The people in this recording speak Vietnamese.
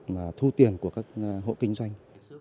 và thu tiền của các hộ kinh doanh